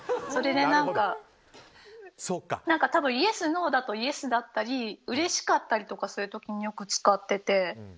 それでたぶんイエス、ノーだとイエスだったり嬉しかったりする時によく使ってて。